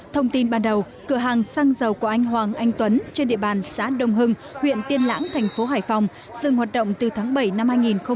thông tin ban đầu cửa hàng xăng dầu của anh hoàng anh tuấn trên địa bàn xã đông hưng huyện tiên lãng thành phố hải phòng dừng hoạt động từ tháng bảy năm hai nghìn một mươi chín